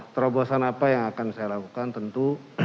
terobosan apa yang akan saya lakukan tentu